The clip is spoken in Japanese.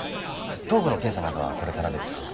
頭部の検査などはこれからですが。